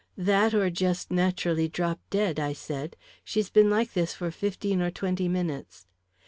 "That or just naturally dropped dead," I said. "She's been like this for fifteen or twenty minutes."